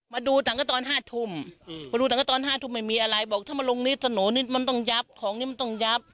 มาดูถังค์ก็ตอน๕ทุ่มมาดูตอนห้าทุ่มมันมีอะไรบอกถ้ามาหลองนี้สะหนดมันต้องจับของนี้มันต้องจับ